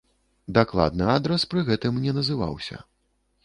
Дакладны адрас пры гэтым не называўся.